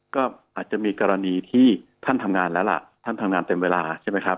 ก็อาจจะมีกรณีที่ท่านทำงานแล้วล่ะท่านทำงานเต็มเวลาใช่ไหมครับ